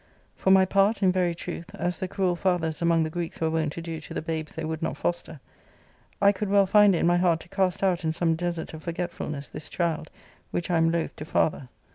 For my part, in very truth, as the cruel fathers among the Greeks were wont to do to the babes they would not foster, I could well find in my heart to cast out in some desert of foigetfulness this child, which I am loath to father.